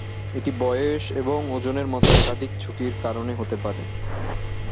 এটি বয়স এবং ওজনের মতো একাধিক ঝুঁকির কারণে হতে পারে।